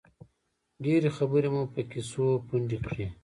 ډېرې خبرې مو په کیسو پنډې کړې.